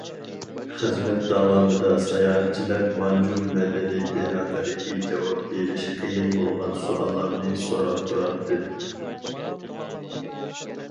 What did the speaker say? خىزمەت داۋامىدا، ساياھەتچىلەر مانجۇ مەدەنىيىتى ھەققىدىكى جاۋاب بېرىش قىيىن بولغان سوئاللارنى سوراپ تۇراتتى.